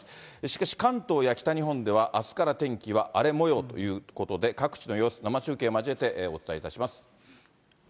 しかし、関東や北日本では、あすから天気は荒れもようということで、各地の様子、生中継を交えて、お伝えいたします。